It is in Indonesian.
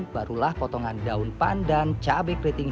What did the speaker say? barulah potongan daun pandan cabai keriting